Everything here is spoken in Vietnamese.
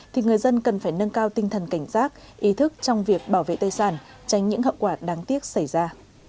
thì người dân cần phải nâng cao tinh thần cảnh giác ý thức trong việc bảo vệ tài sản tránh những hậu quả đáng tiếc xảy ra